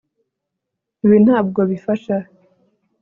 ibi ntabwo bifasha